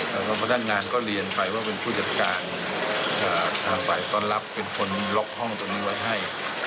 แล้วก็พนักงานก็เรียนไปว่าเป็นผู้จัดการทางฝ่ายต้อนรับเป็นคนล็อกห้องตรงนี้ไว้ให้